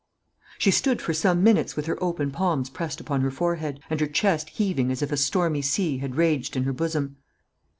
She stood for some minutes with her open palms pressed upon her forehead, and her chest heaving as if a stormy sea had raged in her bosom.